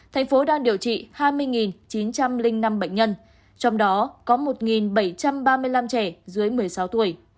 thành phố đang điều trị hai mươi chín trăm linh năm bệnh nhân trong đó có một bảy trăm ba mươi năm trẻ dưới một mươi sáu tuổi